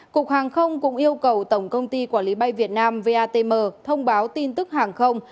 cục hàng không cũng yêu cầu tổng công ty quản lý bay việt nam vatm thông báo tin tức hàng không